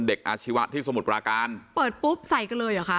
อาชีวะที่สมุทรปราการเปิดปุ๊บใส่กันเลยเหรอคะ